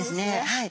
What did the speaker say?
はい。